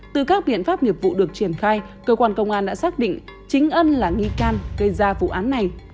từ các biện pháp nghiệp vụ được triển khai cơ quan công an đã xác định chính ân là nghi can gây ra vụ án này